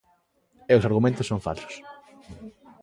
E os argumentos son falsos.